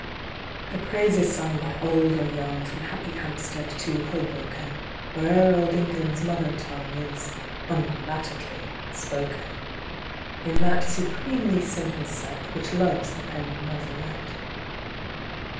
Her praise is sung by old or young, From Happy Hampstead to Hoboken, WhereŌĆÖer old EnglandŌĆÖs mother tongue Is (ungrammatically) spoken: In that supremely simple set Which loves the penny novelette.